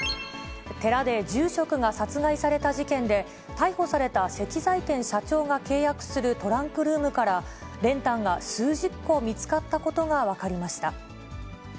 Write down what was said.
寺で住職が殺害された事件で、逮捕された石材店社長が契約するトランクルームから、練炭が数十個見つかったことが分かりました。